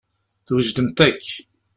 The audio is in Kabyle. Twejdemt akk.